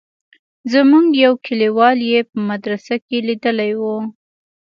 زموږ يو کليوال يې په مدرسه کښې ليدلى و.